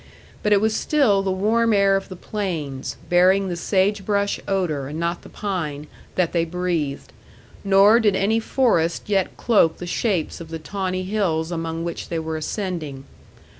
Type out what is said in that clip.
But it was still the warm air of the plains, bearing the sage brush odor and not the pine, that they breathed; nor did any forest yet cloak the shapes of the tawny hills among which they were ascending.